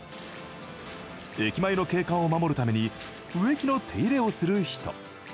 駅前の景観を守るために植木の手入れをする人。